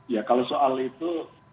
ya kalau soal itu